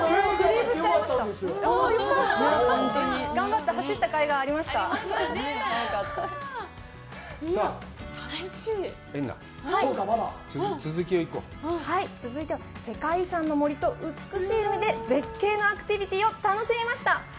エンナ続きをいこうはい続いては世界遺産の森と美しい海で絶景のアクティビティーを楽しみました